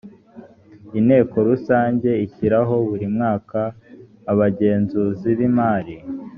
inteko rusange ishyiraho buri mwaka abagenzuzi b imari